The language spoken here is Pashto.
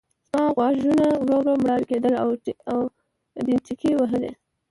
زما غوږونه ورو ورو مړاوي کېدل او ډينچکې وهلې.